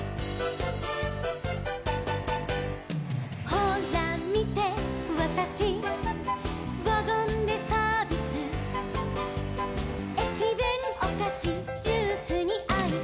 「ほらみてワタシワゴンでサービス」「えきべんおかしジュースにアイス」